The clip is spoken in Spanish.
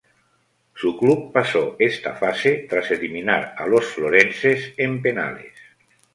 Su club pasó esta fase, tras eliminar a los "florenses" en penales.